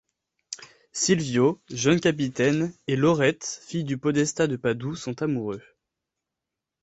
Silvio, jeune capitaine et Laurette, fille du podestat de Padoue sont amoureux.